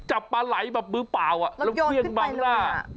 จับปลาไหลแบบมือเปล่าแล้วเครื่องบังหน้า